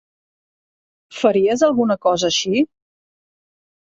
Faries alguna cosa així?